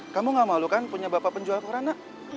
kamu nggak malu kan punya bapak penjual koran nak